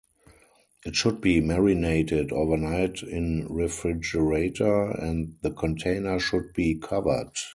It should be marinated overnight in refrigerator, and the container should be covered.